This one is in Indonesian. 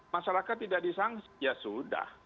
masyarakat tidak disangsi ya sudah